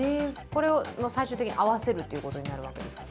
これを最終的に合わせるということになるわけですか。